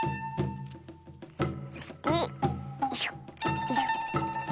そしてよいしょよいしょ。